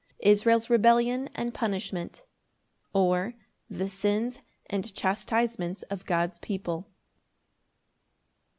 Israel's rebellion and punishment; or, The sins and chastisements of God's people.